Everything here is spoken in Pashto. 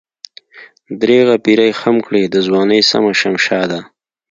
درېغه پيرۍ خم کړې دَځوانۍ سمه شمشاده